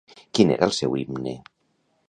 Quin era el seu himne?